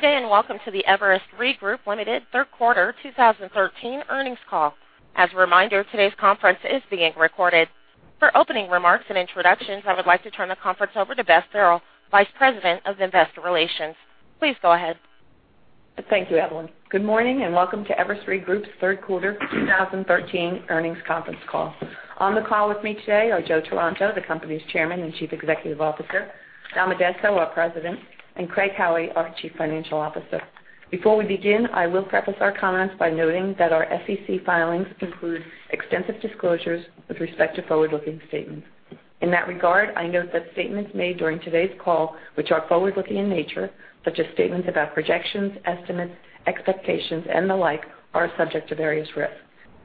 Good day, welcome to the Everest Re Group, Ltd. third quarter 2013 earnings call. As a reminder, today's conference is being recorded. For opening remarks and introductions, I would like to turn the conference over to Beth Farrell, vice president of investor relations. Please go ahead. Thank you, Evelyn. Good morning, welcome to Everest Re Group's third quarter 2013 earnings conference call. On the call with me today are Joe Taranto, the company's chairman and chief executive officer, Dom Addesso, our president, and Craig Howie, our chief financial officer. Before we begin, I will preface our comments by noting that our SEC filings include extensive disclosures with respect to forward-looking statements. In that regard, I note that statements made during today's call, which are forward-looking in nature, such as statements about projections, estimates, expectations, and the like, are subject to various risks.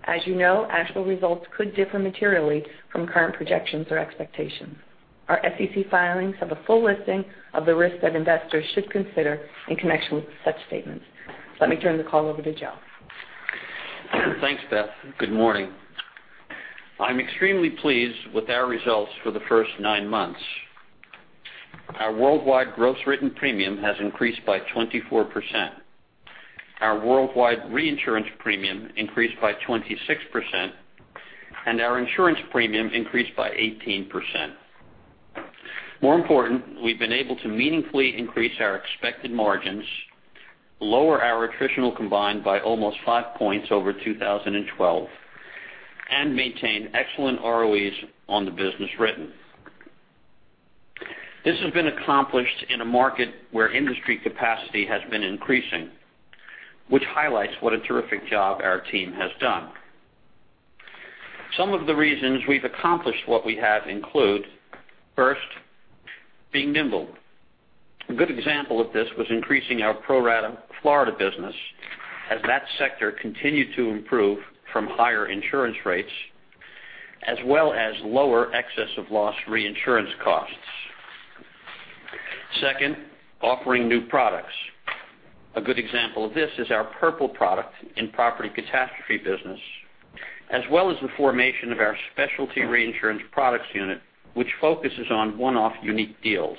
As you know, actual results could differ materially from current projections or expectations. Our SEC filings have a full listing of the risks that investors should consider in connection with such statements. Let me turn the call over to Joe. Thanks, Beth. Good morning. I'm extremely pleased with our results for the first nine months. Our worldwide gross written premium has increased by 24%. Our worldwide reinsurance premium increased by 26%, and our insurance premium increased by 18%. More important, we've been able to meaningfully increase our expected margins, lower our attritional combined by almost five points over 2012, and maintain excellent ROEs on the business written. This has been accomplished in a market where industry capacity has been increasing, which highlights what a terrific job our team has done. Some of the reasons we've accomplished what we have include, first, being nimble. A good example of this was increasing our pro-rata Florida business as that sector continued to improve from higher insurance rates, as well as lower excess of loss reinsurance costs. Second, offering new products. A good example of this is our pillar product in property catastrophe, as well as the formation of our specialty reinsurance products unit, which focuses on one-off unique deals.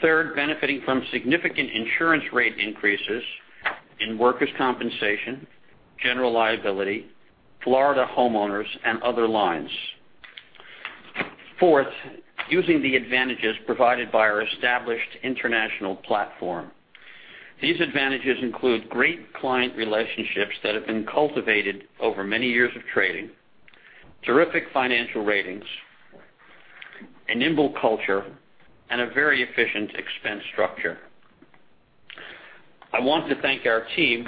Third, benefiting from significant insurance rate increases in workers' compensation, general liability, Florida homeowners, and other lines. Fourth, using the advantages provided by our established international platform. These advantages include great client relationships that have been cultivated over many years of trading, terrific financial ratings, a nimble culture, and a very efficient expense structure. I want to thank our team,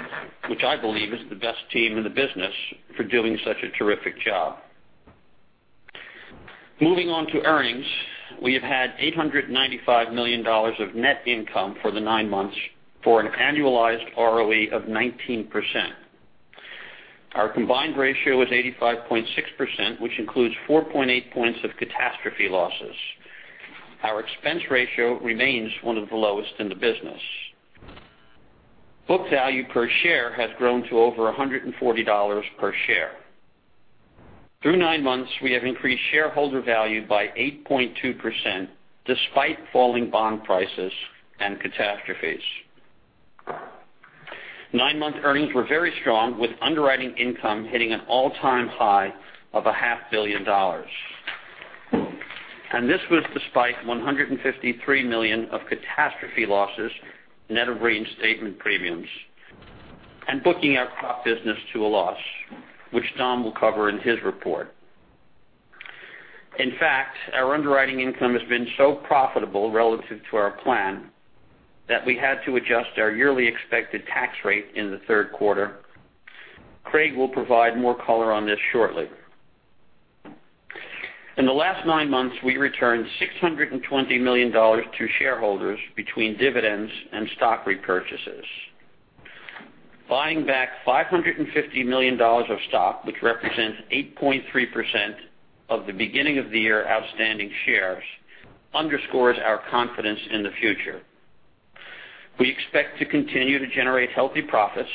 which I believe is the best team in the business, for doing such a terrific job. Moving on to earnings, we have had $895 million of net income for the nine months for an annualized ROE of 19%. Our combined ratio is 85.6%, which includes 4.8 points of catastrophe losses. Our expense ratio remains one of the lowest in the business. Book value per share has grown to over $140 per share. Through nine months, we have increased shareholder value by 8.2%, despite falling bond prices and catastrophes. Nine-month earnings were very strong, with underwriting income hitting an all-time high of a half billion dollars. This was despite $153 million of catastrophe losses net of reinstatement premiums and booking our crop business to a loss, which Dom will cover in his report. In fact, our underwriting income has been so profitable relative to our plan that we had to adjust our yearly expected tax rate in the third quarter. Craig will provide more color on this shortly. In the last nine months, we returned $620 million to shareholders between dividends and stock repurchases. Buying back $550 million of stock, which represents 8.3% of the beginning of the year outstanding shares, underscores our confidence in the future. We expect to continue to generate healthy profits,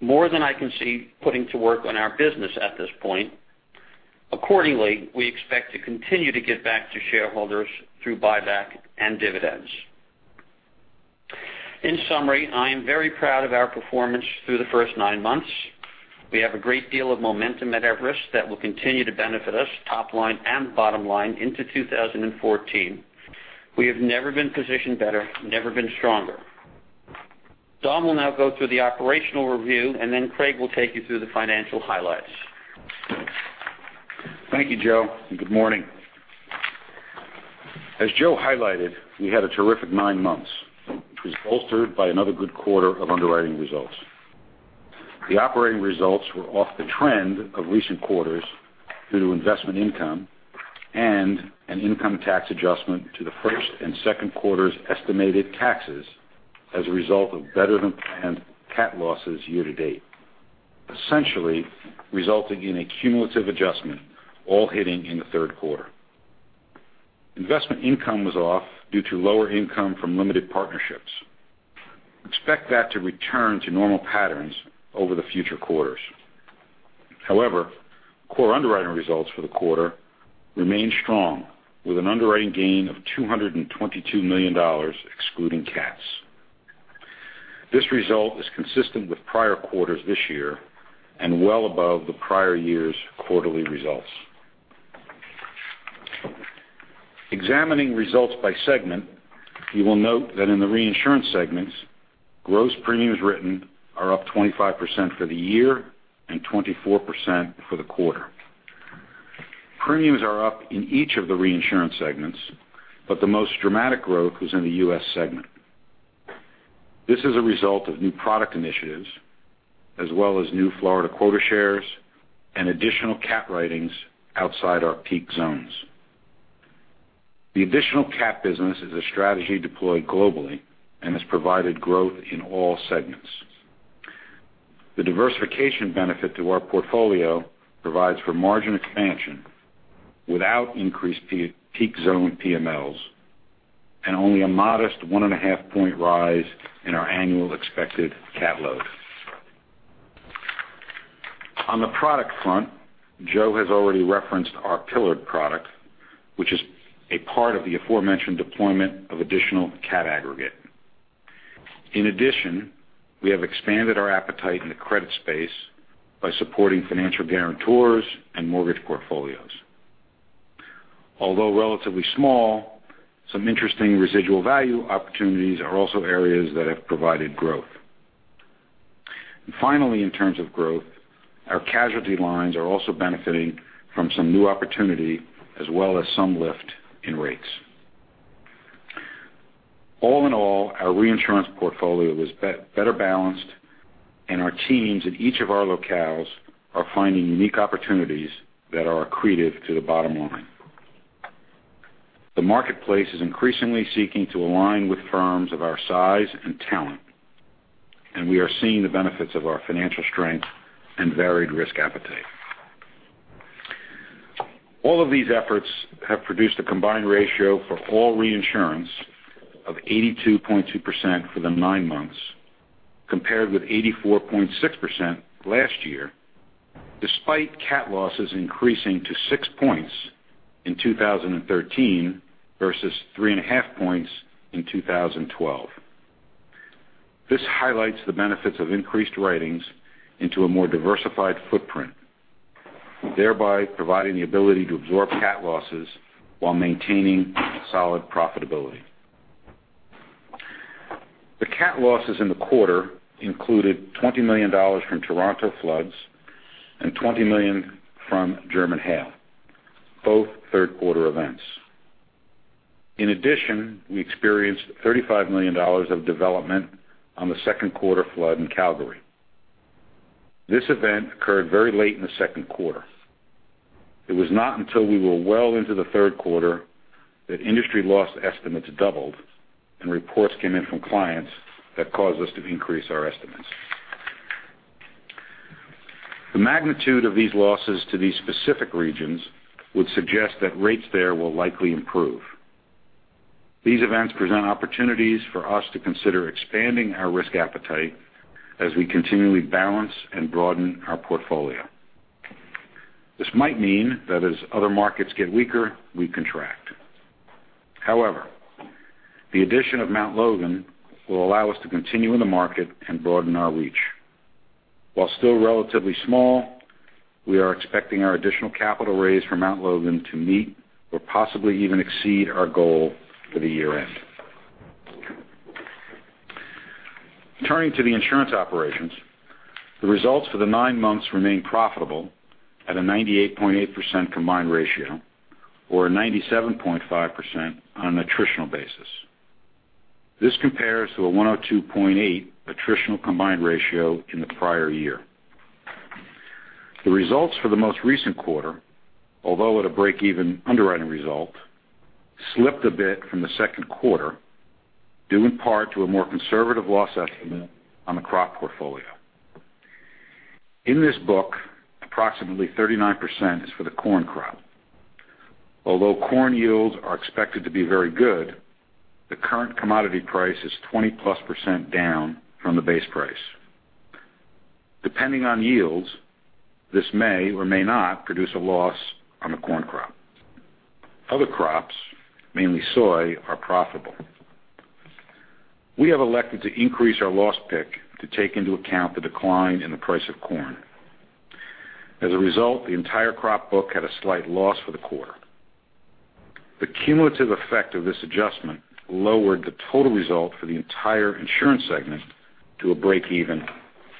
more than I can see putting to work on our business at this point. Accordingly, we expect to continue to give back to shareholders through buyback and dividends. In summary, I am very proud of our performance through the first nine months. We have a great deal of momentum at Everest that will continue to benefit us top line and bottom line into 2014. We have never been positioned better, never been stronger. Dom will now go through the operational review. Craig will take you through the financial highlights. Thank you, Joe, and good morning. As Joe highlighted, we had a terrific nine months, which was bolstered by another good quarter of underwriting results. The operating results were off the trend of recent quarters due to investment income and an income tax adjustment to the first and second quarter's estimated taxes as a result of better-than-planned cat losses year to date, essentially resulting in a cumulative adjustment, all hitting in the third quarter. Investment income was off due to lower income from limited partnerships. Expect that to return to normal patterns over the future quarters. Core underwriting results for the quarter remain strong, with an underwriting gain of $222 million excluding cats. This result is consistent with prior quarters this year and well above the prior year's quarterly results. Examining results by segment, you will note that in the reinsurance segments, gross premiums written are up 25% for the year and 24% for the quarter. Premiums are up in each of the reinsurance segments, but the most dramatic growth is in the U.S. segment. This is a result of new product initiatives as well as new Florida quota shares and additional cat writings outside our peak zones. The additional cat business is a strategy deployed globally and has provided growth in all segments. The diversification benefit to our portfolio provides for margin expansion without increased peak zone PMLs and only a modest one and a half point rise in our annual expected cat load. On the product front, Joe has already referenced our Pillar product, which is a part of the aforementioned deployment of additional cat aggregate. In addition, we have expanded our appetite in the credit space by supporting financial guarantors and mortgage portfolios. Although relatively small, some interesting residual value opportunities are also areas that have provided growth. Finally, in terms of growth, our casualty lines are also benefiting from some new opportunity as well as some lift in rates. All in all, our reinsurance portfolio is better balanced and our teams in each of our locales are finding unique opportunities that are accretive to the bottom line. The marketplace is increasingly seeking to align with firms of our size and talent, and we are seeing the benefits of our financial strength and varied risk appetite. All of these efforts have produced a combined ratio for all reinsurance of 82.2% for the nine months, compared with 84.6% last year, despite cat losses increasing to six points in 2013 versus 3.5 points in 2012. This highlights the benefits of increased writings into a more diversified footprint, thereby providing the ability to absorb cat losses while maintaining solid profitability. The cat losses in the quarter included $20 million from Toronto floods and $20 million from German hail, both third quarter events. In addition, we experienced $35 million of development on the second quarter flood in Calgary. This event occurred very late in the second quarter. It was not until we were well into the third quarter that industry loss estimates doubled and reports came in from clients that caused us to increase our estimates. The magnitude of these losses to these specific regions would suggest that rates there will likely improve. These events present opportunities for us to consider expanding our risk appetite as we continually balance and broaden our portfolio. This might mean that as other markets get weaker, we contract. However, the addition of Mount Logan will allow us to continue in the market and broaden our reach. While still relatively small, we are expecting our additional capital raise for Mount Logan to meet or possibly even exceed our goal for the year-end. Turning to the insurance operations, the results for the nine months remain profitable at a 98.8% combined ratio or a 97.5% on an attritional basis. This compares to a 102.8 attritional combined ratio in the prior year. The results for the most recent quarter, although at a break-even underwriting result, slipped a bit from the second quarter, due in part to a more conservative loss estimate on the crop portfolio. In this book, approximately 39% is for the corn crop. Although corn yields are expected to be very good, the current commodity price is 20%+ down from the base price. Depending on yields, this may or may not produce a loss on the corn crop. Other crops, mainly soy, are profitable. We have elected to increase our loss pick to take into account the decline in the price of corn. As a result, the entire crop book had a slight loss for the quarter. The cumulative effect of this adjustment lowered the total result for the entire insurance segment to a break even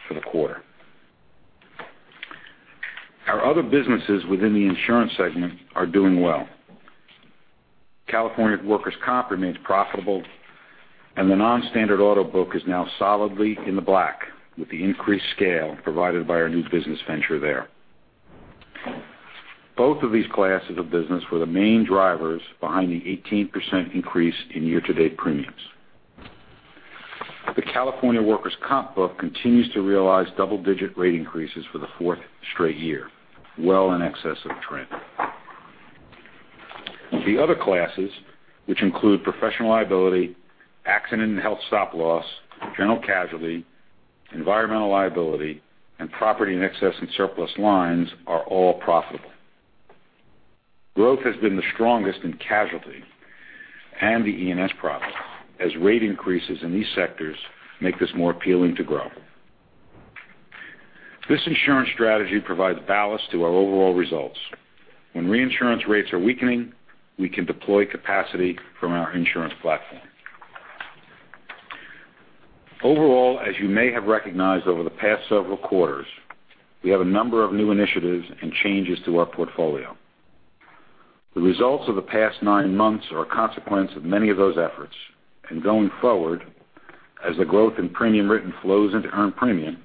for the quarter. Our other businesses within the insurance segment are doing well. California Workers' Comp remains profitable, and the non-standard auto book is now solidly in the black with the increased scale provided by our new business venture there. Both of these classes of business were the main drivers behind the 18% increase in year-to-date premiums. The California Workers' Comp book continues to realize double-digit rate increases for the fourth straight year, well in excess of trend. The other classes, which include professional liability, accident and health stop loss, general casualty, environmental liability, and property and excess and surplus lines, are all profitable. Growth has been the strongest in casualty and the E&S products as rate increases in these sectors make this more appealing to grow. This insurance strategy provides ballast to our overall results. When reinsurance rates are weakening, we can deploy capacity from our insurance platform. Overall, as you may have recognized over the past several quarters, we have a number of new initiatives and changes to our portfolio. The results of the past nine months are a consequence of many of those efforts, and going forward, as the growth in premium written flows into earned premium,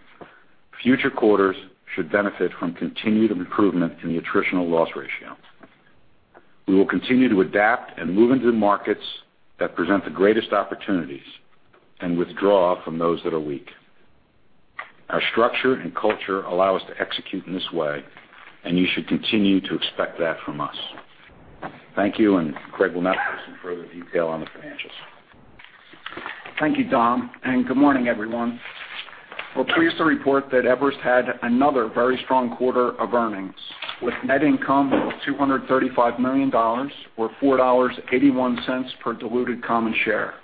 future quarters should benefit from continued improvement in the attritional loss ratio. We will continue to adapt and move into the markets that present the greatest opportunities and withdraw from those that are weak. Our structure and culture allow us to execute in this way, and you should continue to expect that from us. Thank you, and Craig will now give some further detail on the financials. Thank you, Dom, and good morning, everyone. We're pleased to report that Everest had another very strong quarter of earnings, with net income of $235 million, or $4.81 per diluted common share.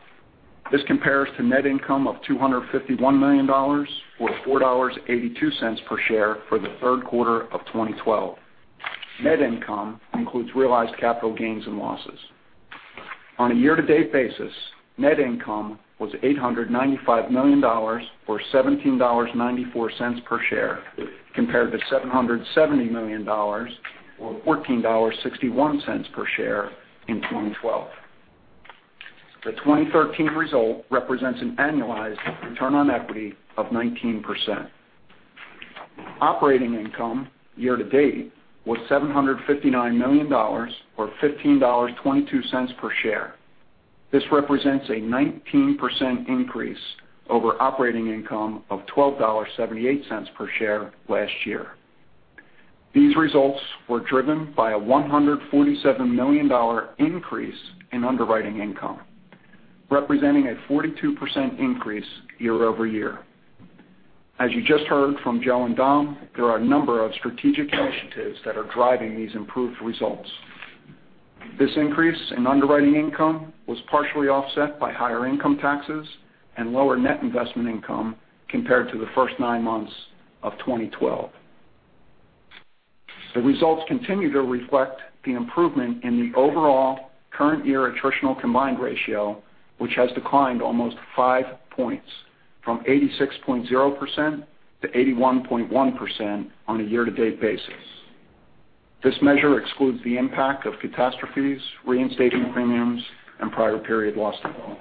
This compares to net income of $251 million, or $4.82 per share for the third quarter of 2012. On a year-to-date basis, net income was $895 million, or $17.94 per share, compared to $770 million, or $14.61 per share in 2012. The 2013 result represents an annualized return on equity of 19%. Operating income year to date was $759 million, or $15.22 per share. This represents a 19% increase over operating income of $12.78 per share last year. These results were driven by a $147 million increase in underwriting income, representing a 42% increase year-over-year. As you just heard from Joe and Dom, there are a number of strategic initiatives that are driving these improved results. This increase in underwriting income was partially offset by higher income taxes and lower net investment income compared to the first nine months of 2012. The results continue to reflect the improvement in the overall current year attritional combined ratio, which has declined almost five points from 86.0% to 81.1% on a year-to-date basis. This measure excludes the impact of catastrophes, reinstated premiums, and prior period loss development.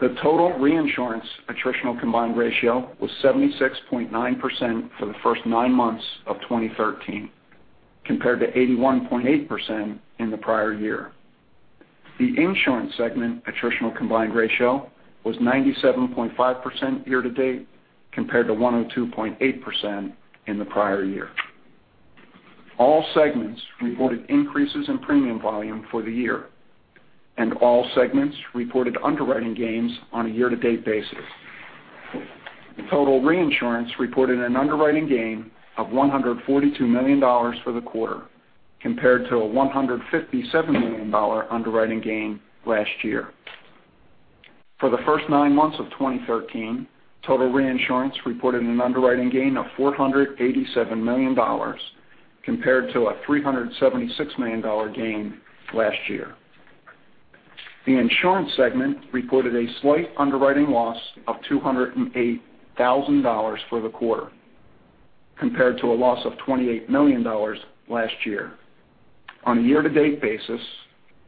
The total reinsurance attritional combined ratio was 76.9% for the first nine months of 2013, compared to 81.8% in the prior year. The insurance segment attritional combined ratio was 97.5% year to date, compared to 102.8% in the prior year. All segments reported increases in premium volume for the year, and all segments reported underwriting gains on a year-to-date basis. The total reinsurance reported an underwriting gain of $142 million for the quarter, compared to a $157 million underwriting gain last year. For the first nine months of 2013, total reinsurance reported an underwriting gain of $487 million compared to a $376 million gain last year. The insurance segment reported a slight underwriting loss of $208,000 for the quarter, compared to a loss of $28 million last year. On a year-to-date basis,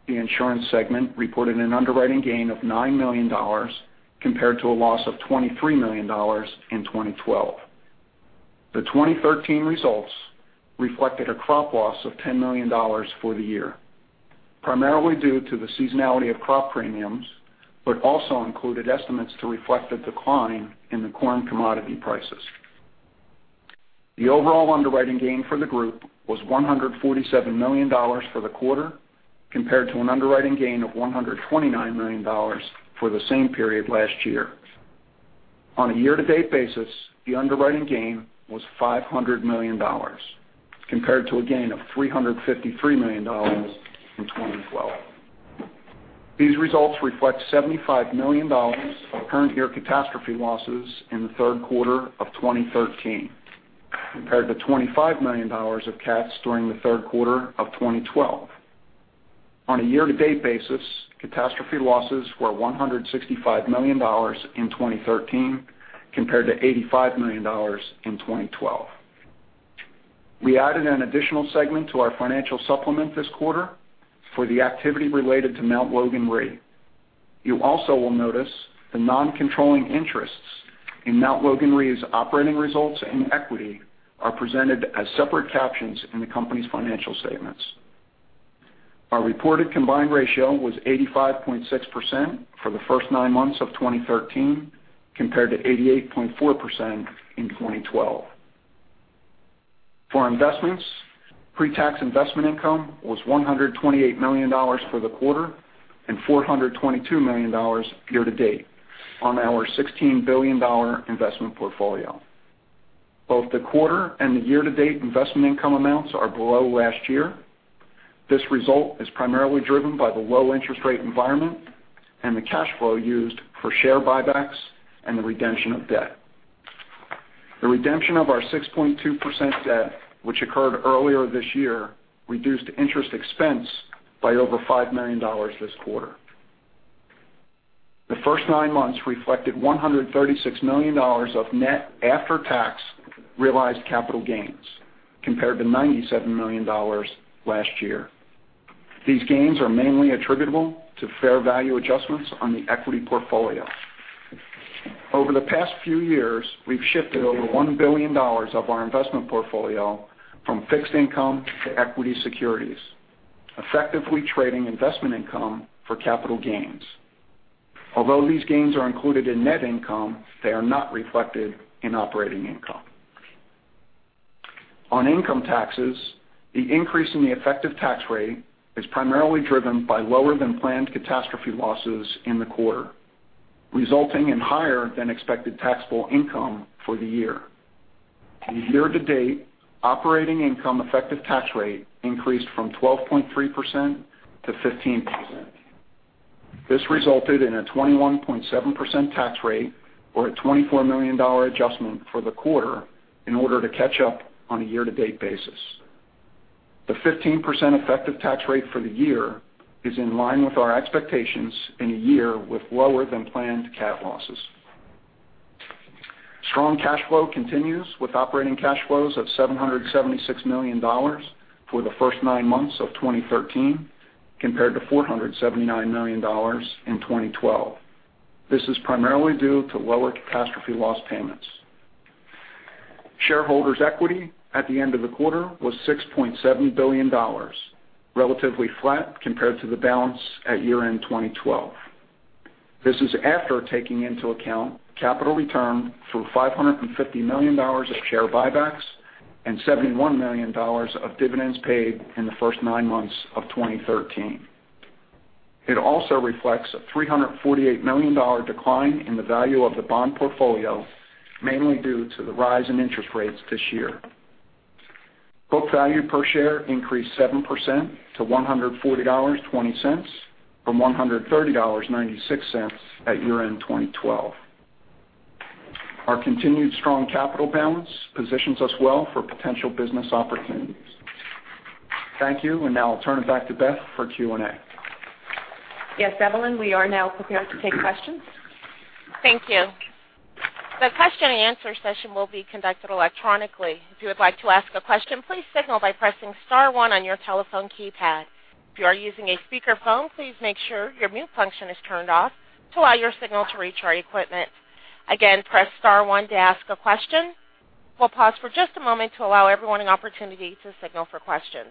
the insurance segment reported an underwriting gain of $9 million, compared to a loss of $23 million in 2012. The 2013 results reflected a crop loss of $10 million for the year, primarily due to the seasonality of crop premiums, but also included estimates to reflect the decline in the corn commodity prices. The overall underwriting gain for the group was $147 million for the quarter, compared to an underwriting gain of $129 million for the same period last year. On a year-to-date basis, the underwriting gain was $500 million, compared to a gain of $353 million in 2012. These results reflect $75 million of current year catastrophe losses in the third quarter of 2013, compared to $25 million of cats during the third quarter of 2012. On a year-to-date basis, catastrophe losses were $165 million in 2013 compared to $85 million in 2012. We added an additional segment to our financial supplement this quarter for the activity related to Mount Logan Re. You also will notice the non-controlling interests in Mount Logan Re's operating results and equity are presented as separate captions in the company's financial statements. Our reported combined ratio was 85.6% for the first nine months of 2013, compared to 88.4% in 2012. For investments, pre-tax investment income was $128 million for the quarter and $422 million year-to-date on our $16 billion investment portfolio. Both the quarter and the year-to-date investment income amounts are below last year. This result is primarily driven by the low interest rate environment and the cash flow used for share buybacks and the redemption of debt. The redemption of our 6.2% debt, which occurred earlier this year, reduced interest expense by over $5 million this quarter. The first nine months reflected $136 million of net after-tax realized capital gains, compared to $97 million last year. These gains are mainly attributable to fair value adjustments on the equity portfolio. Over the past few years, we've shifted over $1 billion of our investment portfolio from fixed income to equity securities, effectively trading investment income for capital gains. Although these gains are included in net income, they are not reflected in operating income. On income taxes, the increase in the effective tax rate is primarily driven by lower than planned catastrophe losses in the quarter, resulting in higher than expected taxable income for the year. The year-to-date operating income effective tax rate increased from 12.3% to 15%. This resulted in a 21.7% tax rate or a $24 million adjustment for the quarter in order to catch up on a year-to-date basis. The 15% effective tax rate for the year is in line with our expectations in a year with lower than planned cat losses. Strong cash flow continues with operating cash flows of $776 million for the first nine months of 2013, compared to $479 million in 2012. This is primarily due to lower catastrophe loss payments. Shareholders' equity at the end of the quarter was $6.7 billion, relatively flat compared to the balance at year-end 2012. This is after taking into account capital return through $550 million of share buybacks and $71 million of dividends paid in the first nine months of 2013. It also reflects a $348 million decline in the value of the bond portfolio, mainly due to the rise in interest rates this year. Book value per share increased 7% to $140.20 from $130.96 at year-end 2012. Our continued strong capital balance positions us well for potential business opportunities. Thank you. Now I'll turn it back to Beth for Q&A. Yes, Evelyn, we are now prepared to take questions. Thank you. The question and answer session will be conducted electronically. If you would like to ask a question, please signal by pressing star one on your telephone keypad. If you are using a speakerphone, please make sure your mute function is turned off to allow your signal to reach our equipment. Again, press star one to ask a question. We'll pause for just a moment to allow everyone an opportunity to signal for questions.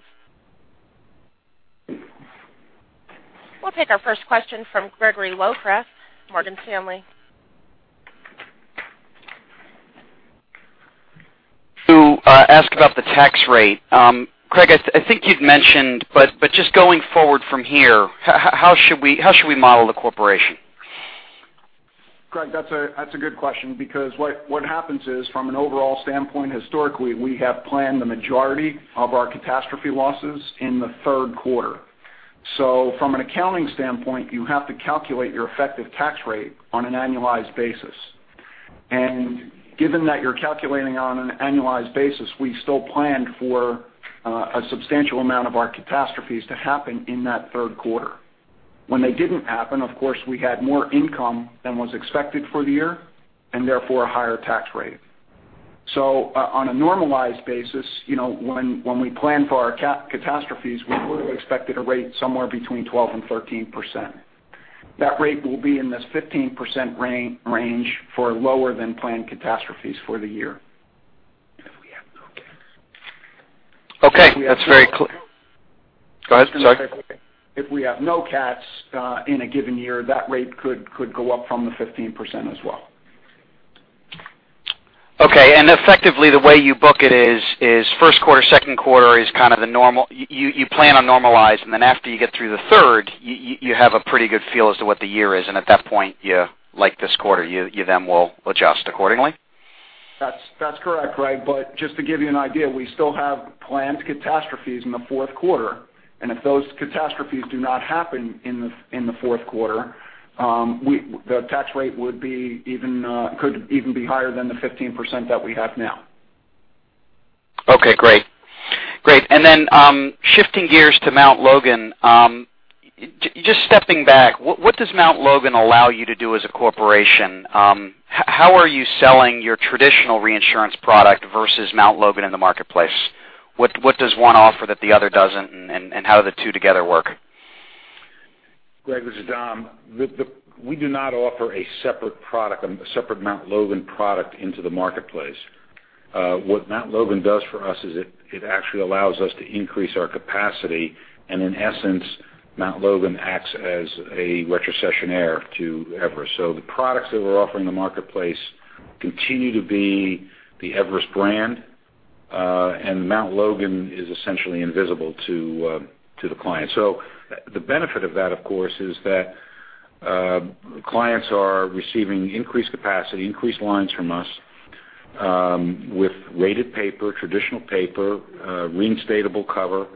We'll take our first question from Gregory Locraft, Morgan Stanley. To ask about the tax rate. Greg, I think you'd mentioned, but just going forward from here, how should we model the corporation? Greg, that's a good question because what happens is, from an overall standpoint, historically, we have planned the majority of our catastrophe losses in the third quarter. From an accounting standpoint, you have to calculate your effective tax rate on an annualized basis. Given that you're calculating on an annualized basis, we still planned for a substantial amount of our catastrophes to happen in that third quarter. When they didn't happen, of course, we had more income than was expected for the year and therefore a higher tax rate. On a normalized basis, when we plan for our cat catastrophes, we would have expected a rate somewhere between 12%-13%. That rate will be in this 15% range for lower than planned catastrophes for the year. Okay. That's very clear. Go ahead, sorry. If we have no cats in a given year, that rate could go up from the 15% as well. Okay. Effectively, the way you book it is first quarter, second quarter is kind of the normal. You plan on normalized, and then after you get through the third, you have a pretty good feel as to what the year is. At that point, like this quarter, you then will adjust accordingly. That's correct, Greg, but just to give you an idea, we still have planned catastrophes in the fourth quarter, and if those catastrophes do not happen in the fourth quarter, the tax rate could even be higher than the 15% that we have now. Okay, great. Then, shifting gears to Mount Logan. Just stepping back, what does Mount Logan allow you to do as a corporation? How are you selling your traditional reinsurance product versus Mount Logan in the marketplace? What does one offer that the other doesn't, and how do the two together work? Greg, this is Dom. We do not offer a separate product, a separate Mount Logan product into the marketplace. What Mount Logan does for us is it actually allows us to increase our capacity, and in essence, Mount Logan acts as a retrocessionaire to Everest. The products that we're offering the marketplace continue to be the Everest brand. Mount Logan is essentially invisible to the client. The benefit of that, of course, is that clients are receiving increased capacity, increased lines from us with rated paper, traditional paper, reinstatable cover,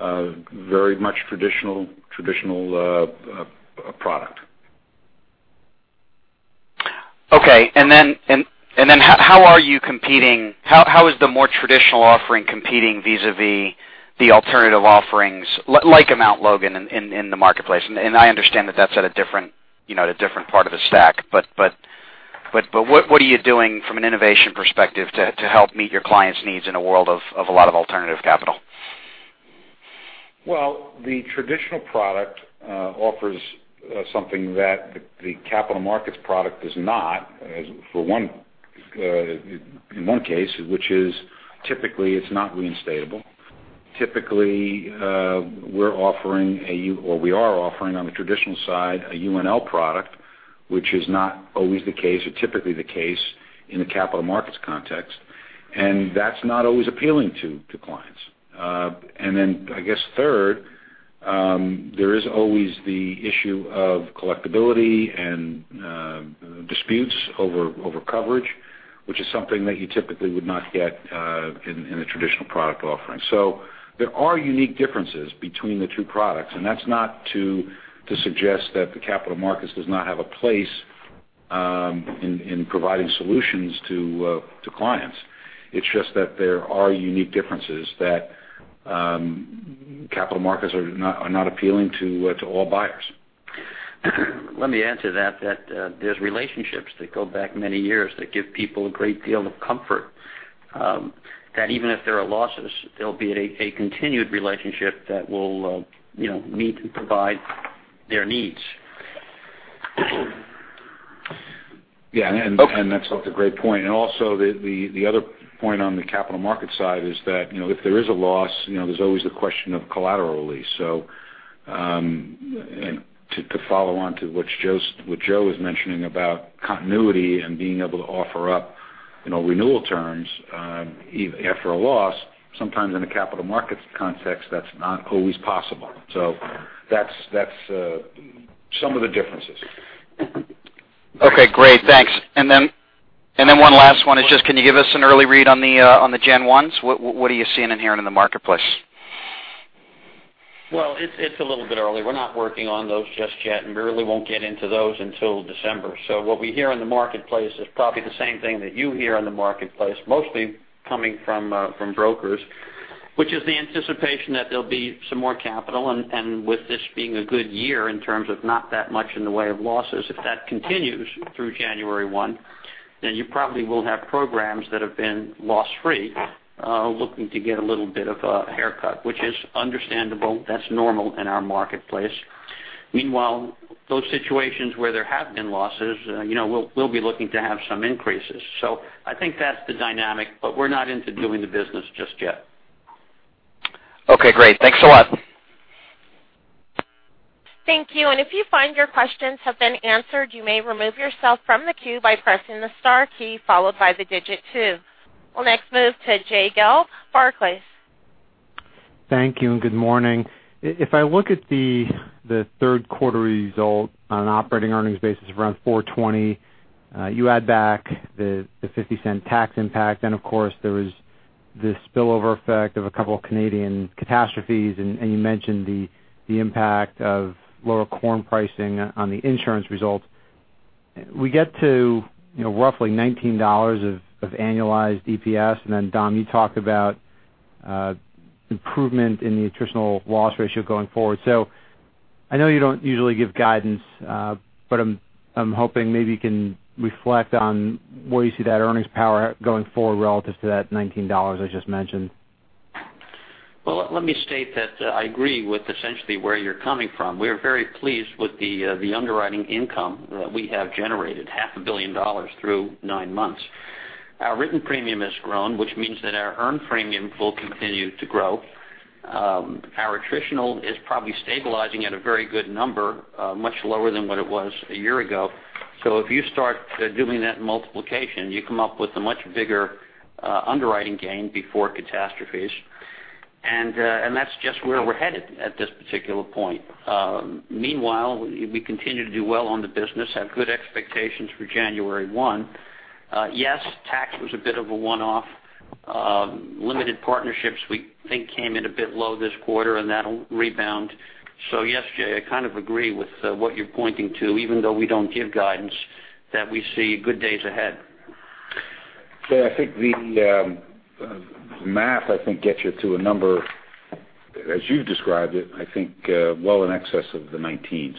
very much traditional product. Okay. Then how is the more traditional offering competing vis-a-vis the alternative offerings, like a Mount Logan in the marketplace? I understand that's at a different part of the stack, but what are you doing from an innovation perspective to help meet your clients' needs in a world of a lot of alternative capital? Well, the traditional product offers something that the capital markets product does not in one case, which is typically it's not reinstatable. Typically, we're offering, or we are offering on the traditional side, a UNL product, which is not always the case or typically the case in the capital markets context. That's not always appealing to clients. I guess third, there is always the issue of collectibility and disputes over coverage, which is something that you typically would not get in a traditional product offering. There are unique differences between the two products. That's not to suggest that the capital markets does not have a place in providing solutions to clients. It's just that there are unique differences that capital markets are not appealing to all buyers. Let me add to that there's relationships that go back many years that give people a great deal of comfort. That even if there are losses, there'll be a continued relationship that will meet and provide their needs. Yeah. Okay. That's a great point. The other point on the capital market side is that if there is a loss, there's always the question of collateral release. To follow on to what Joe was mentioning about continuity and being able to offer up renewal terms after a loss, sometimes in a capital markets context, that's not always possible. That's some of the differences. Okay, great. Thanks. One last one is just can you give us an early read on the Jan ones? What are you seeing and hearing in the marketplace? It's a little bit early. We're not working on those just yet and really won't get into those until December. What we hear in the marketplace is probably the same thing that you hear in the marketplace, mostly coming from brokers, which is the anticipation that there'll be some more capital and with this being a good year in terms of not that much in the way of losses. If that continues through January 1, then you probably will have programs that have been loss-free looking to get a little bit of a haircut, which is understandable. That's normal in our marketplace. Meanwhile, those situations where there have been losses, we'll be looking to have some increases. I think that's the dynamic. We're not into doing the business just yet. Okay, great. Thanks a lot. Thank you. If you find your questions have been answered, you may remove yourself from the queue by pressing the star key followed by the digit 2. We'll next move to Jay Gelb, Barclays. Thank you and good morning. If I look at the third quarterly result on an operating earnings basis around $420, you add back the $0.50 tax impact. Of course, there was this spillover effect of a couple of Canadian catastrophes, and you mentioned the impact of lower corn pricing on the insurance results. We get to roughly $19 of annualized EPS. Dom, you talked about improvement in the attritional loss ratio going forward. I know you don't usually give guidance, but I'm hoping maybe you can reflect on where you see that earnings power going forward relative to that $19 I just mentioned. Well, let me state that I agree with essentially where you're coming from. We are very pleased with the underwriting income that we have generated, half a billion dollars through nine months. Our written premium has grown, which means that our earned premium will continue to grow. Our attritional is probably stabilizing at a very good number, much lower than what it was a year ago. If you start doing that multiplication, you come up with a much bigger underwriting gain before catastrophes. That's just where we're headed at this particular point. Meanwhile, we continue to do well on the business, have good expectations for January 1. Yes, tax was a bit of a one-off. Limited partnerships we think came in a bit low this quarter and that'll rebound. Yes, Jay, I kind of agree with what you're pointing to, even though we don't give guidance that we see good days ahead. Jay, I think the math gets you to a number as you've described it, I think well in excess of the 19.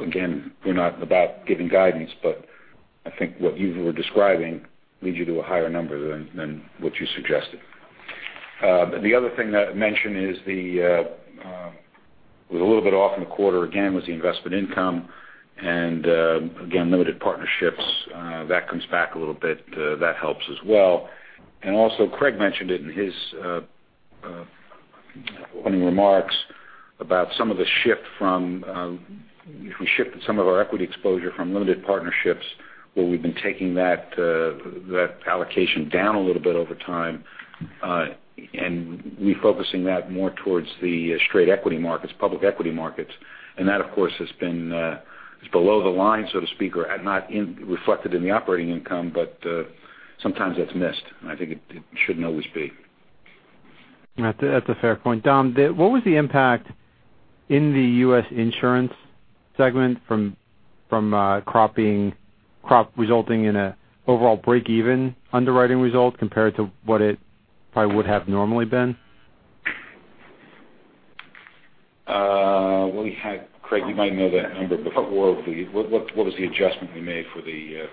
Again, we're not about giving guidance, but I think what you were describing leads you to a higher number than what you suggested. The other thing I'd mention is the, a little bit off in the quarter again was the investment income and again, limited partnerships. That comes back a little bit. That helps as well. Also Craig mentioned it in his opening remarks about some of the shift from, if we shift some of our equity exposure from limited partnerships where we've been taking that allocation down a little bit over time and refocusing that more towards the straight equity markets, public equity markets. That, of course, is below the line, so to speak, or not reflected in the operating income, but sometimes that's missed, and I think it should always be. That's a fair point. Dom, what was the impact in the U.S. insurance segment from crop resulting in an overall break-even underwriting result compared to what it probably would have normally been? Craig, you might know that number. What was the adjustment we made for the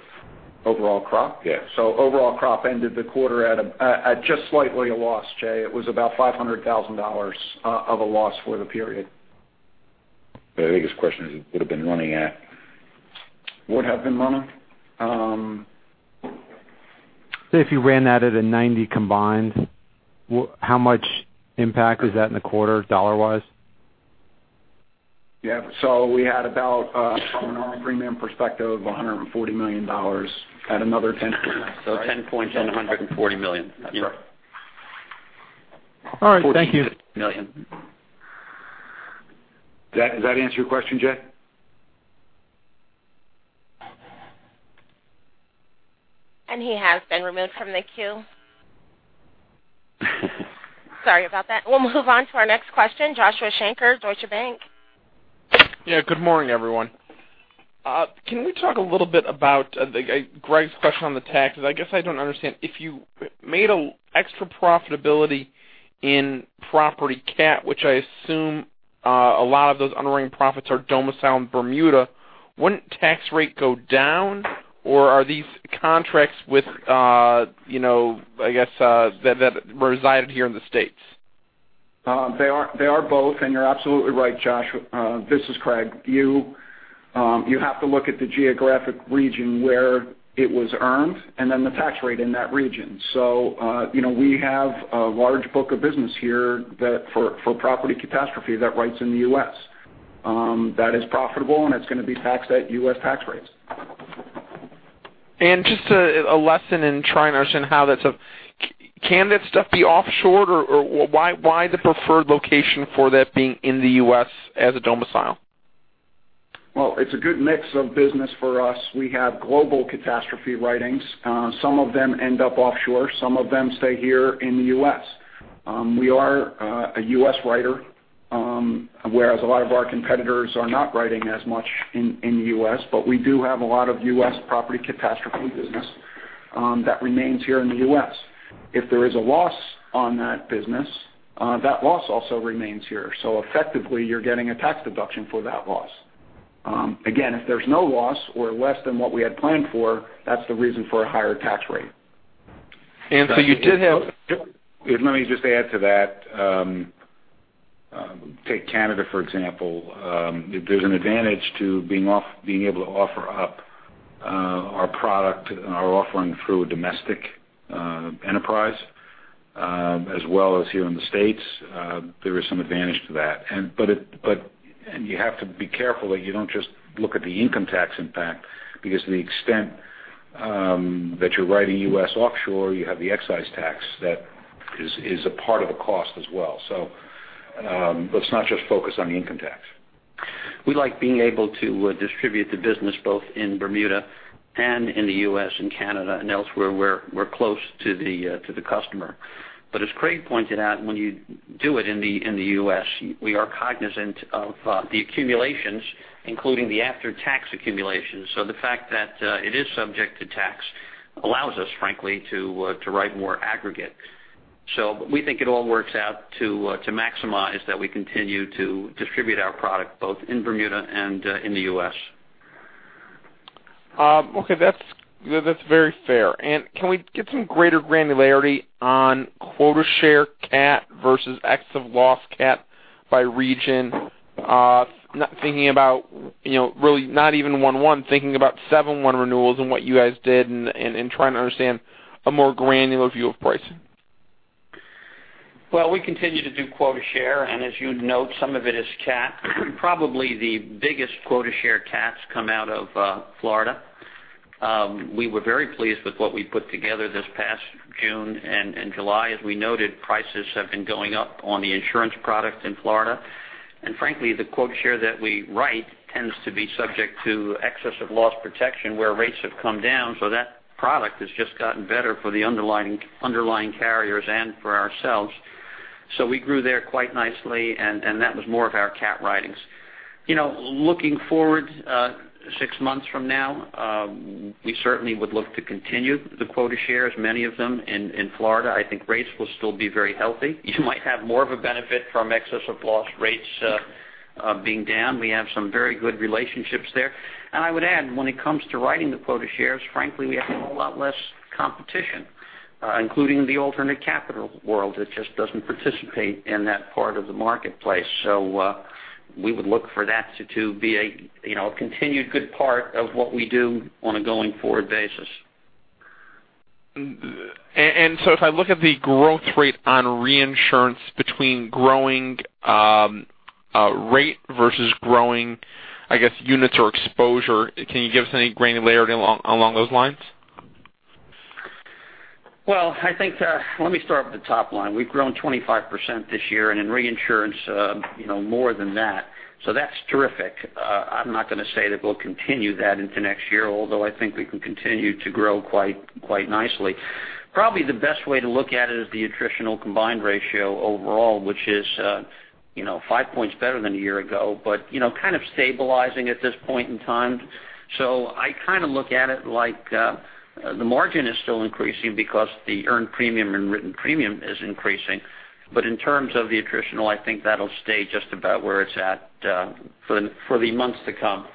Overall crop? Yeah. Overall crop ended the quarter at just slightly a loss, Jay. It was about $500,000 of a loss for the period. I think his question is, would have been running at? Would have been running? If you ran that at a 90 combined, how much impact is that in the quarter dollar-wise? We had about, from a non-premium perspective, $140 million at another 10. 10 points on $140 million. All right. Thank you. Does that answer your question, Jay? He has been removed from the queue. Sorry about that. We'll move on to our next question, Joshua Shanker, Deutsche Bank. Yeah. Good morning, everyone. Can we talk a little bit about Greg's question on the taxes? I guess I don't understand. If you made extra profitability in property catastrophe, which I assume a lot of those underwriting profits are domiciled in Bermuda, wouldn't tax rate go down? Or are these contracts that resided here in the U.S.? They are both, you're absolutely right, Josh. This is Craig. You have to look at the geographic region where it was earned and then the tax rate in that region. We have a large book of business here for property catastrophe that writes in the U.S. That is profitable and it's going to be taxed at U.S. tax rates. Just a lesson in trying to understand how that's Can that stuff be offshored or why the preferred location for that being in the U.S. as a domicile? It's a good mix of business for us. We have global catastrophe writings. Some of them end up offshore, some of them stay here in the U.S. We are a U.S. writer, whereas a lot of our competitors are not writing as much in the U.S., but we do have a lot of U.S. property catastrophe business that remains here in the U.S. If there is a loss on that business, that loss also remains here. Effectively, you're getting a tax deduction for that loss. Again, if there's no loss or less than what we had planned for, that's the reason for a higher tax rate. And so you did have- Let me just add to that. Take Canada, for example. There's an advantage to being able to offer up our product and our offering through a domestic enterprise as well as here in the States. There is some advantage to that. You have to be careful that you don't just look at the income tax impact because the extent that you're writing U.S. offshore, you have the excise tax that is a part of the cost as well. Let's not just focus on the income tax. We like being able to distribute the business both in Bermuda and in the U.S. and Canada and elsewhere where we're close to the customer. As Craig pointed out, when you do it in the U.S., we are cognizant of the accumulations, including the after-tax accumulations. The fact that it is subject to tax allows us, frankly, to write more aggregate. We think it all works out to maximize that we continue to distribute our product both in Bermuda and in the U.S. Okay. That's very fair. Can we get some greater granularity on quota share cat versus excess of loss cat by region? Thinking about really not even 1/1, thinking about 7/1 renewals and what you guys did and trying to understand a more granular view of pricing. Well, we continue to do quota share, and as you'd note, some of it is cat. Probably the biggest quota share cats come out of Florida. We were very pleased with what we put together this past June and July. As we noted, prices have been going up on the insurance product in Florida. Frankly, the quota share that we write tends to be subject to excess of loss protection where rates have come down. That product has just gotten better for the underlying carriers and for ourselves. We grew there quite nicely, and that was more of our cat writings. Looking forward 6 months from now, we certainly would look to continue the quota share as many of them in Florida. I think rates will still be very healthy. You might have more of a benefit from excess of loss rates being down. We have some very good relationships there. I would add, when it comes to writing the quota shares, frankly, we have a whole lot less competition, including the alternate capital world that just doesn't participate in that part of the marketplace. We would look for that to be a continued good part of what we do on a going forward basis. If I look at the growth rate on reinsurance between growing rate versus growing, I guess, units or exposure, can you give us any granularity along those lines? Well, let me start with the top line. We've grown 25% this year and in reinsurance more than that. That's terrific. I'm not going to say that we'll continue that into next year, although I think we can continue to grow quite nicely. Probably the best way to look at it is the attritional combined ratio overall, which is five points better than a year ago, but kind of stabilizing at this point in time. I kind of look at it like the margin is still increasing because the earned premium and written premium is increasing. In terms of the attritional, I think that'll stay just about where it's at for the months to come.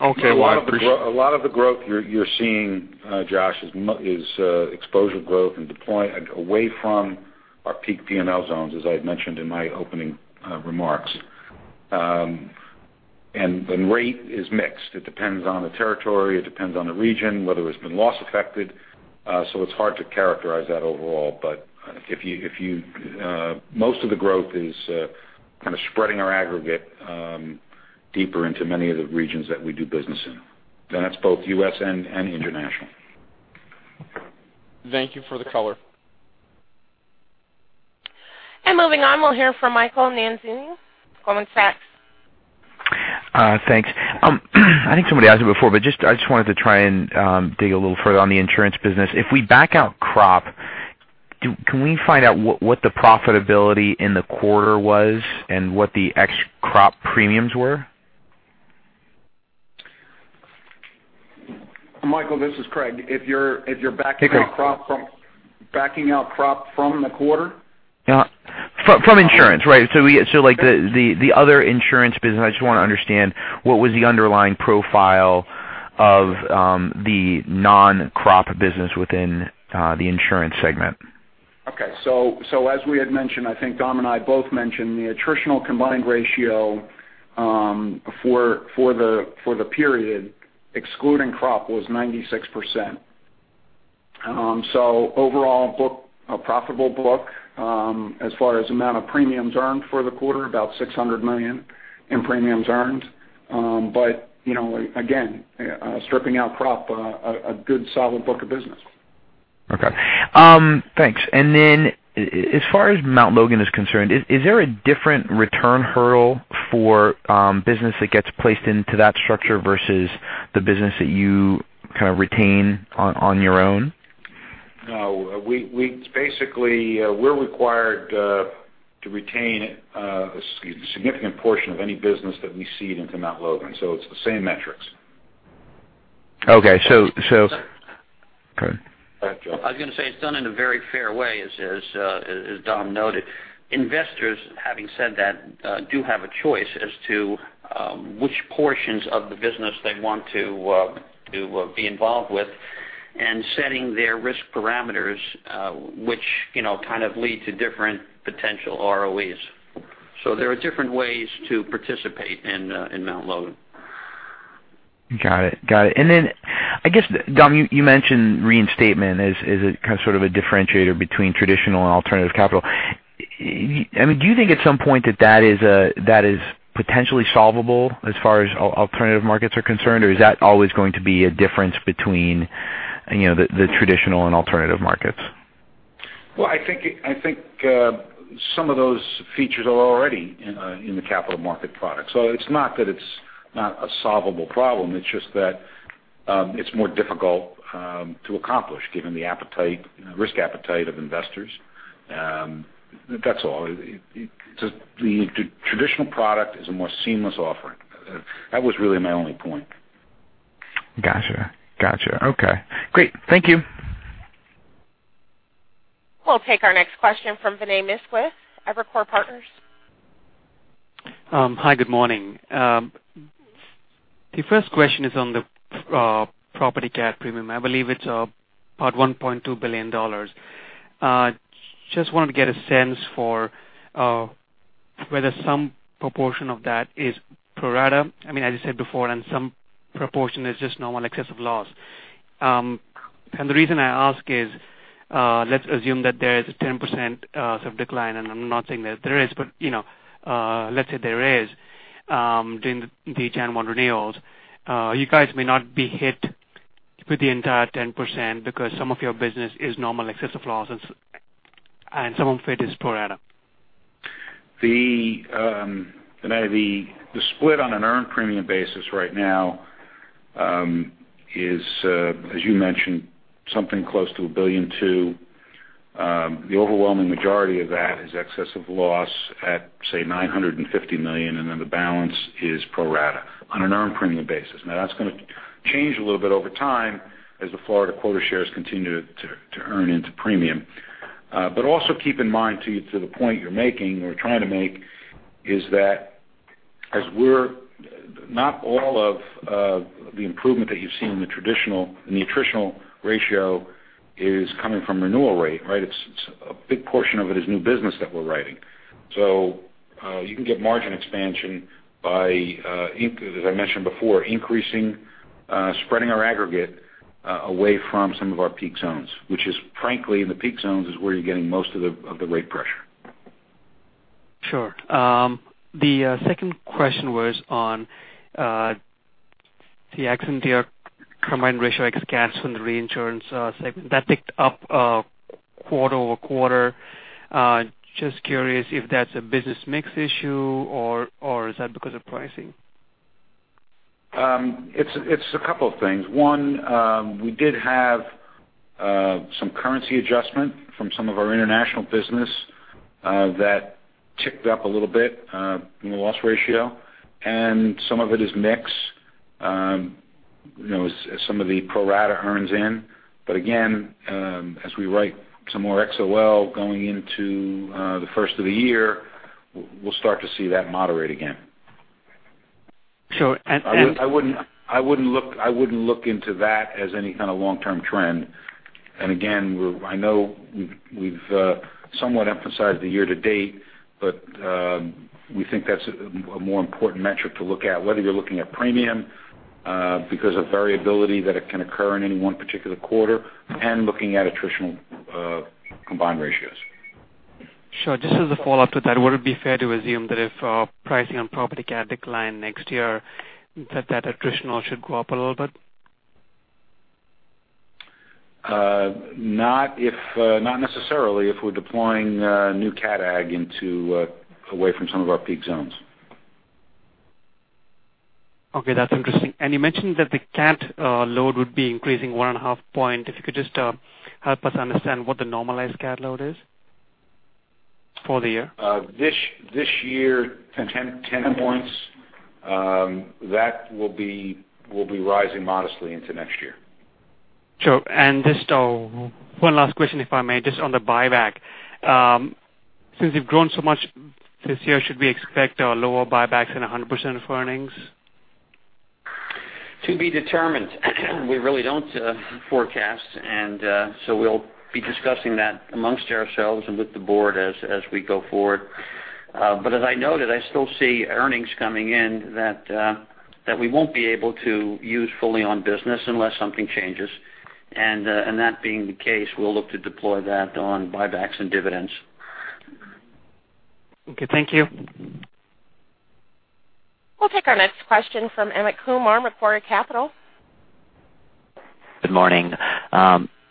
Okay. Well, I A lot of the growth you're seeing, Josh, is exposure growth and deploying away from our peak PML zones. as I had mentioned in my opening remarks. The rate is mixed. It depends on the territory, it depends on the region, whether it's been loss affected. It's hard to characterize that overall. Most of the growth is kind of spreading our aggregate deeper into many of the regions that we do business in. That's both U.S. and international. Thank you for the color. Moving on, we'll hear from Michael Nannizzi, Goldman Sachs. Thanks. I think somebody asked it before, but I just wanted to try and dig a little further on the insurance business. If we back out crop, can we find out what the profitability in the quarter was and what the ex crop premiums were? Michael, this is Craig. If you're backing out crop from the quarter? From insurance, right. Like the other insurance business, I just want to understand what was the underlying profile of the non-crop business within the insurance segment. Okay. As we had mentioned, I think Dom and I both mentioned the attritional combined ratio for the period, excluding crop, was 96%. Overall book, a profitable book as far as amount of premiums earned for the quarter, about $600 million in premiums earned. Again stripping out crop, a good solid book of business. Okay. Thanks. As far as Mount Logan Re is concerned, is there a different return hurdle for business that gets placed into that structure versus the business that you kind of retain on your own? No. Basically, we're required to retain a significant portion of any business that we cede into Mount Logan Re, it's the same metrics. Okay. Go ahead. Go ahead, Joe. I was going to say it's done in a very fair way as Dom noted. Investors, having said that, do have a choice as to which portions of the business they want to be involved with and setting their risk parameters which kind of lead to different potential ROEs. There are different ways to participate in Mount Logan Re. Got it. I guess, Dom, you mentioned reinstatement as a kind of a differentiator between traditional and alternative capital. Do you think at some point that is potentially solvable as far as alternative markets are concerned? Or is that always going to be a difference between the traditional and alternative markets? Well, I think some of those features are already in the capital market product. It's not that it's not a solvable problem, it's just that it's more difficult to accomplish given the risk appetite of investors. That's all. The traditional product is a more seamless offering. That was really my only point. Got you. Okay. Great. Thank you. We'll take our next question from Vinay Misquith, Evercore Partners. Hi, good morning. The first question is on the property cat premium. I believe it's about $1.2 billion. Just wanted to get a sense for whether some proportion of that is pro rata. I mean, as you said before, some proportion is just normal excess of loss. The reason I ask is, let's assume that there is a 10% of decline, I'm not saying that there is, but let's say there is during the January renewals. You guys may not be hit with the entire 10% because some of your business is normal excess of loss and some of it is pro rata. Vinay, the split on an earned premium basis right now is, as you mentioned, something close to $1.2 billion. The overwhelming majority of that is excess of loss at, say, $950 million, the balance is pro rata on an earned premium basis. That's going to change a little bit over time as the Florida quota shares continue to earn into premium. Also keep in mind to the point you're making or trying to make is that not all of the improvement that you've seen in the attritional ratio is coming from renewal rate, right? A big portion of it is new business that we're writing. You can get margin expansion by, as I mentioned before, increasing, spreading our aggregate away from some of our peak zones, which is frankly, in the peak zones is where you're getting most of the rate pressure. Sure. The second question was on the accident year combined ratio ex cats from the reinsurance segment that ticked up quarter-over-quarter. Just curious if that's a business mix issue or is that because of pricing? It's a couple of things. One, we did have some currency adjustment from some of our international business that ticked up a little bit in the loss ratio, some of it is mix, as some of the pro rata earns in. Again, as we write some more XOL going into the first of the year, we'll start to see that moderate again. Sure. I wouldn't look into that as any kind of long-term trend. Again, I know we've somewhat emphasized the year-to-date, but we think that's a more important metric to look at, whether you're looking at premium because of variability that it can occur in any one particular quarter and looking at attritional combined ratios. Sure. Just as a follow-up to that, would it be fair to assume that if pricing on property cat decline next year, that attritional should go up a little bit? Not necessarily if we're deploying new cat agg into away from some of our peak zones. Okay, that's interesting. You mentioned that the cat load would be increasing one and a half point. If you could just help us understand what the normalized cat load is for the year. This year, 10 points. That will be rising modestly into next year. Sure. Just one last question, if I may, just on the buyback. Since you've grown so much this year, should we expect a lower buyback than 100% of earnings? To be determined? We really don't forecast, and so we'll be discussing that amongst ourselves and with the board as we go forward. As I noted, I still see earnings coming in that we won't be able to use fully on business unless something changes. That being the case, we'll look to deploy that on buybacks and dividends. Okay. Thank you. We'll take our next question from Amit Kumar with Macquarie Research Equities. Good morning.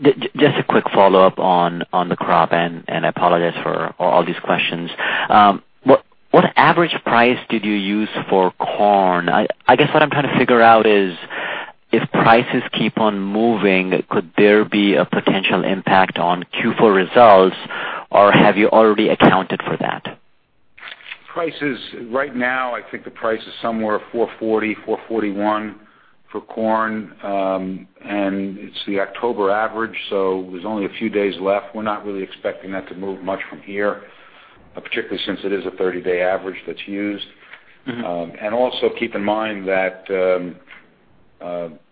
Just a quick follow-up on the crop, and I apologize for all these questions. What average price did you use for corn? I guess what I'm trying to figure out is, if prices keep on moving, could there be a potential impact on Q4 results, or have you already accounted for that? Prices right now, I think the price is somewhere $4.40, $4.41 for corn. It's the October average, so there's only a few days left. We're not really expecting that to move much from here, particularly since it is a 30-day average that's used. Also keep in mind that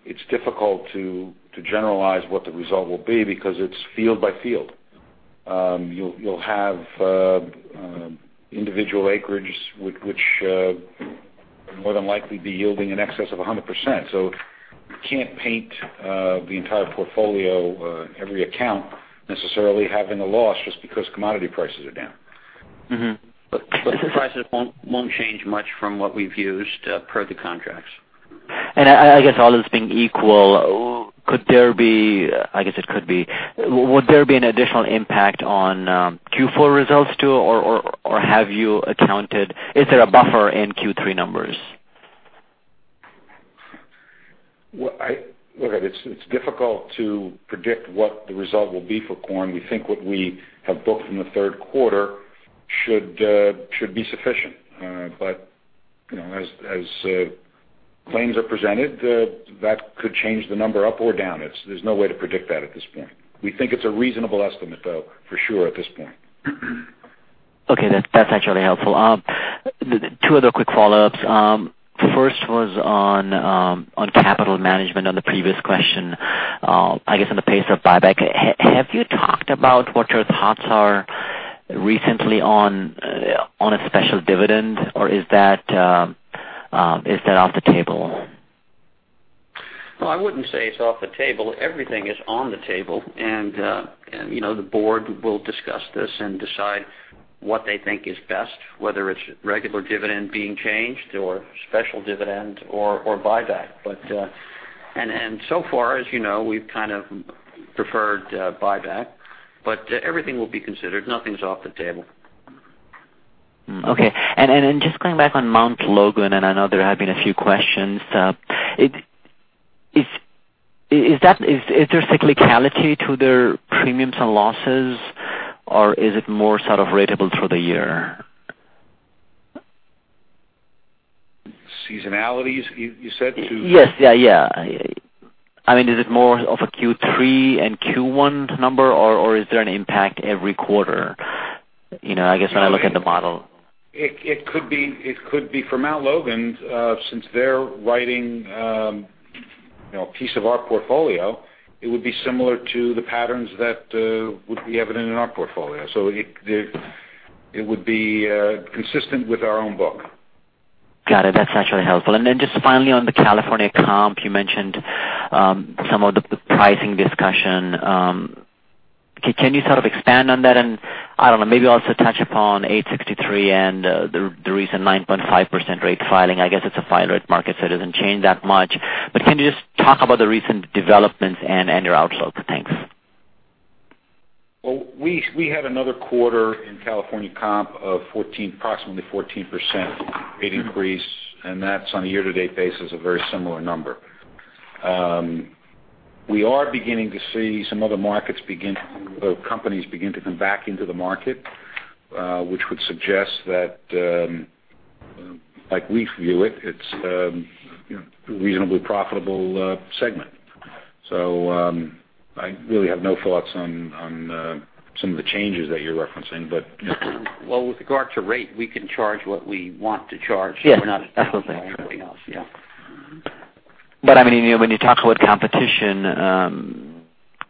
it's difficult to generalize what the result will be because it's field by field. You'll have individual acreage which more than likely be yielding in excess of 100%. You can't paint the entire portfolio, every account necessarily having a loss just because commodity prices are down. The prices won't change much from what we've used per the contracts. I guess all else being equal, would there be an additional impact on Q4 results too, or is there a buffer in Q3 numbers? Look, it's difficult to predict what the result will be for corn. We think what we have booked in the third quarter should be sufficient. As claims are presented, that could change the number up or down. There's no way to predict that at this point. We think it's a reasonable estimate, though, for sure, at this point. Okay. That's actually helpful. Two other quick follow-ups. First was on capital management on the previous question, I guess on the pace of buyback. Have you talked about what your thoughts are recently on a special dividend, or is that off the table? No, I wouldn't say it's off the table. Everything is on the table. The board will discuss this and decide what they think is best, whether it's regular dividend being changed or special dividend or buyback. So far, as you know, we've kind of preferred buyback. Everything will be considered. Nothing's off the table. Okay. Just going back on Mount Logan, I know there have been a few questions. Is there cyclicality to their premiums and losses, or is it more sort of ratable through the year? Seasonality, you said to- Yes. I mean, is it more of a Q3 and Q1 number, or is there an impact every quarter? I guess when I look at the model. It could be for Mount Logan Re, since they're writing a piece of our portfolio, it would be similar to the patterns that would be evident in our portfolio. It would be consistent with our own book. Got it. That's actually helpful. Then just finally on the California comp, you mentioned some of the pricing discussion. Can you sort of expand on that and, I don't know, maybe also touch upon 863 and the recent 9.5% rate filing? I guess it's a filing rate market, so it doesn't change that much. Can you just talk about the recent developments and your outlook? Thanks. Well, we had another quarter in California comp of approximately 14% rate increase, and that's on a year-to-date basis, a very similar number. We are beginning to see some other companies begin to come back into the market, which would suggest that, like we view it's a reasonably profitable segment. I really have no thoughts on some of the changes that you're referencing. Well, with regard to rate, we can charge what we want to charge. Yes. We're not bound by anything else. Yeah. When you talk about competition,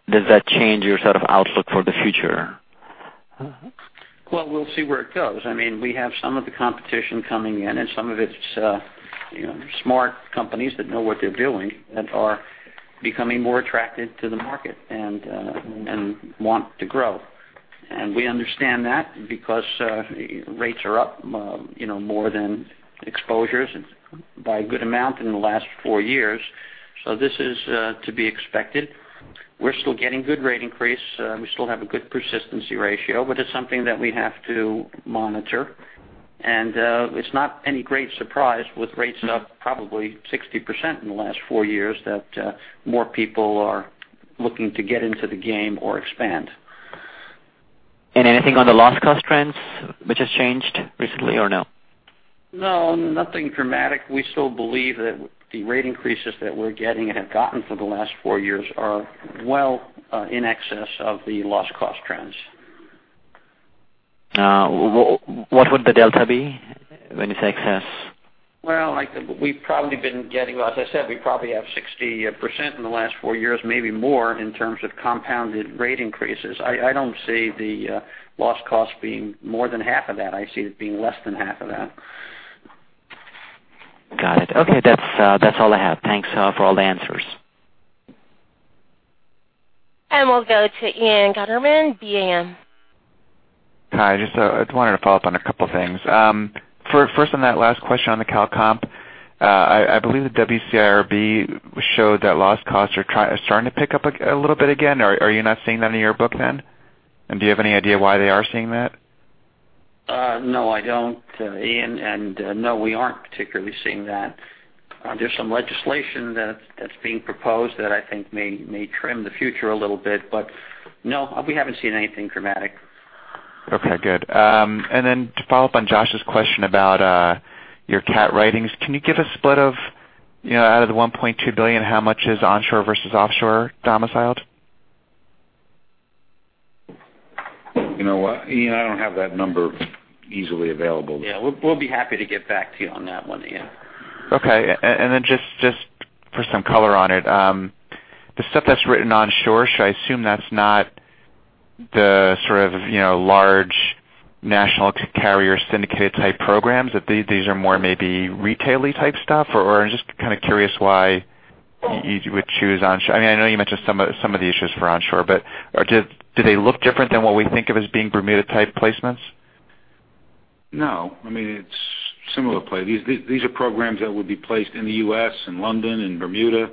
does that change your sort of outlook for the future? Well, we'll see where it goes. We have some of the competition coming in, some of it's smart companies that know what they're doing, that are becoming more attracted to the market and want to grow. We understand that because rates are up more than exposures by a good amount in the last four years. This is to be expected. We're still getting good rate increase. We still have a good persistency ratio, it's something that we have to monitor. It's not any great surprise with rates up probably 60% in the last four years, that more people are looking to get into the game or expand. Anything on the loss cost trends which has changed recently or no? No, nothing dramatic. We still believe that the rate increases that we're getting and have gotten for the last four years are well in excess of the loss cost trends. What would the delta be when it's excess? Well, as I said, we probably have 60% in the last four years, maybe more in terms of compounded rate increases. I don't see the loss cost being more than half of that. I see it being less than half of that. Got it. Okay. That's all I have. Thanks for all the answers. We'll go to Ian Gutterman, BAM. Hi. I just wanted to follow up on a couple things. First on that last question on the Cal Comp, I believe the WCIRB showed that loss costs are starting to pick up a little bit again. Are you not seeing that in your book then? Do you have any idea why they are seeing that? No, I don't, Ian, and no, we aren't particularly seeing that. There's some legislation that's being proposed that I think may trim the future a little bit, but no, we haven't seen anything dramatic. Okay, good. Then to follow up on Josh's question about your cat writings, can you give a split of out of the $1.2 billion, how much is onshore versus offshore domiciled? You know what, Ian, I don't have that number easily available. Yeah. We'll be happy to get back to you on that one, Ian. Okay. Then just for some color on it, the stuff that's written onshore, should I assume that's not the sort of large national carrier syndicated type programs, that these are more maybe retail-y type stuff? I'm just kind of curious why you would choose onshore. I know you mentioned some of the issues for onshore, do they look different than what we think of as being Bermuda type placements? No. It's similar play. These are programs that would be placed in the U.S., in London, in Bermuda.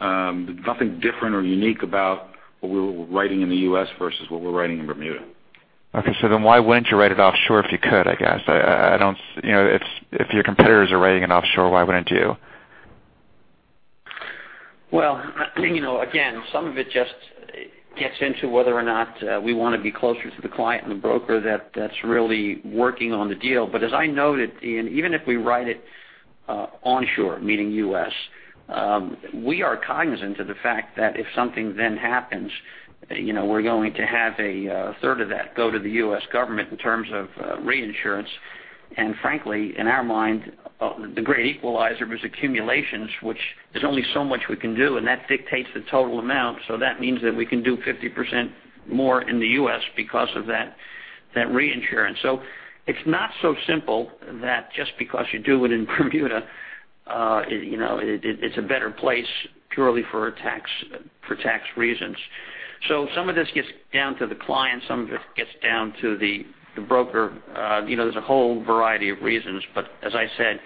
Nothing different or unique about what we're writing in the U.S. versus what we're writing in Bermuda. Okay. Why wouldn't you write it offshore if you could, I guess? If your competitors are writing it offshore, why wouldn't you? Well, again, some of it just gets into whether or not we want to be closer to the client and the broker that's really working on the deal. As I noted, Ian, even if we write it onshore, meaning U.S., we are cognizant of the fact that if something then happens, we're going to have a third of that go to the U.S. government in terms of reinsurance. Frankly, in our mind, the great equalizer is accumulations, which there's only so much we can do, and that dictates the total amount. That means that we can do 50% more in the U.S. because of that reinsurance. It's not so simple that just because you do it in Bermuda, it's a better place purely for tax reasons. Some of this gets down to the client, some of it gets down to the broker. There's a whole variety of reasons. As I said,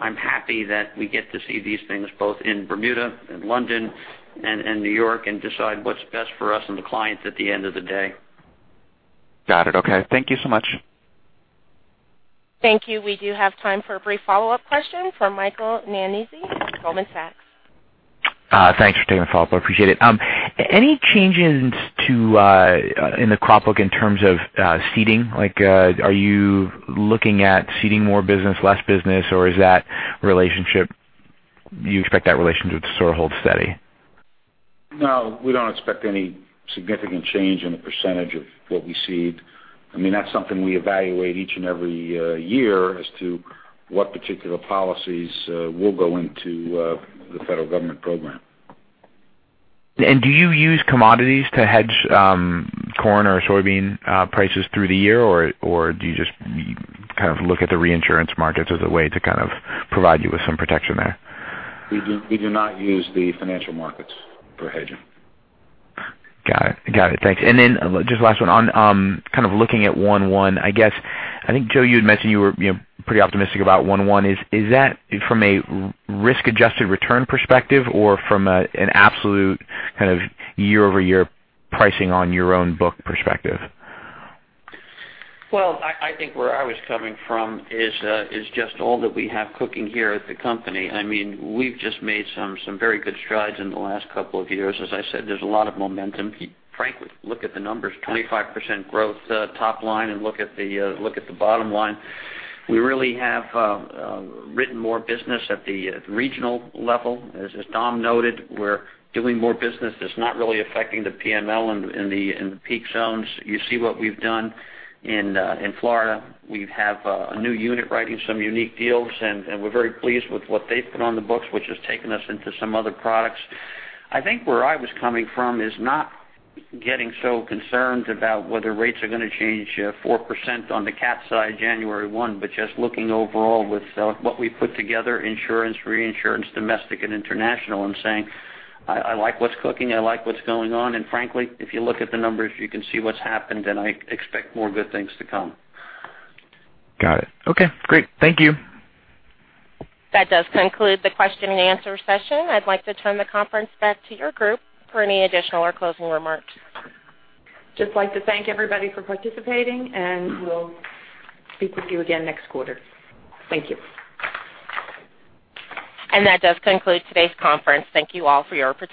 I'm happy that we get to see these things both in Bermuda, and London and New York, and decide what's best for us and the client at the end of the day. Got it. Okay. Thank you so much. Thank you. We do have time for a brief follow-up question from Michael Nannizzi, Goldman Sachs. Thanks for taking the follow-up. I appreciate it. Any changes in the crop book in terms of ceding? Like, are you looking at ceding more business, less business, or you expect that relationship to sort of hold steady? No, we don't expect any significant change in the percentage of what we cede. That's something we evaluate each and every year as to what particular policies will go into the federal government program. Do you use commodities to hedge corn or soybean prices through the year, or do you just look at the reinsurance markets as a way to provide you with some protection there? We do not use the financial markets for hedging. Got it. Thanks. Then, just last one. On looking at one-one, I guess, I think, Joe, you had mentioned you were pretty optimistic about one-one. Is that from a risk-adjusted return perspective or from an absolute year-over-year pricing on your own book perspective? I think where I was coming from is just all that we have cooking here at the company. We've just made some very good strides in the last couple of years. As I said, there's a lot of momentum. Frankly, look at the numbers, 25% growth top line, and look at the bottom line. We really have written more business at the regional level. As Dom noted, we're doing more business that's not really affecting the PNL in the peak zones. You see what we've done in Florida. We have a new unit writing some unique deals, and we're very pleased with what they've put on the books, which has taken us into some other products. I think where I was coming from is not getting so concerned about whether rates are going to change 4% on the cat side January 1, but just looking overall with what we've put together, insurance, reinsurance, domestic and international, and saying, "I like what's cooking, I like what's going on." Frankly, if you look at the numbers, you can see what's happened, and I expect more good things to come. Got it. Okay, great. Thank you. That does conclude the question and answer session. I'd like to turn the conference back to your group for any additional or closing remarks. Just like to thank everybody for participating, and we'll speak with you again next quarter. Thank you. That does conclude today's conference. Thank you all for your participation